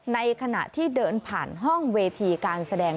ในขณะที่เดินผ่านห้องเวทีการแสดง